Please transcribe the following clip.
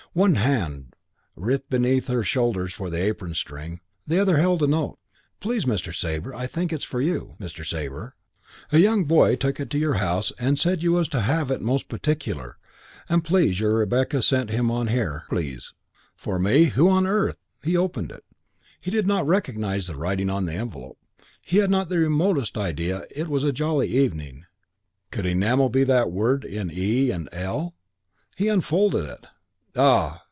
One hand writhed between her shoulders for the apron string, the other held a note. "Please, Mr. Sabre, I think it's for you, Mr. Sabre. A young boy took it to your house and said you was to have it most particular, and please, your Rebecca sent him on here, please." "For me? Who on earth ?" He opened it. He did not recognise the writing on the envelope. He had not the remotest idea It was a jolly evening.... could Enamel be that word in e and l? He unfolded it. Ah!